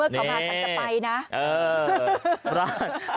เมื่อเขามาฉันจะไปนะ